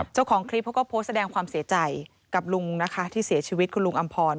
เจ้าของคลิปเขาก็โพสต์แสดงความเสียใจกับลุงนะคะที่เสียชีวิตคุณลุงอำพร